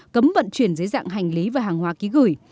cấm vận chuyển dưới dạng hành lý và hàng hóa ký gửi